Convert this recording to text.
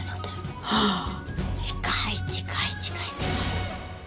近い近い近い近い。